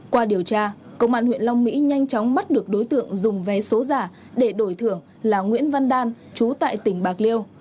qua điều tra công an huyện long mỹ nhanh chóng bắt được đối tượng dùng vé số giả để đổi thưởng là nguyễn văn đan trú tại tỉnh bạc liêu